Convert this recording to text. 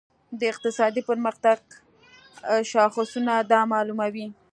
د اقتصادي پرمختګ شاخصونه دا معلوموي.